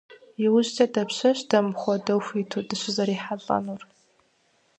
ИужькӀэ дапщэщ дэ мыпхуэдэу хуиту дыщызэрихьэлӀэнур?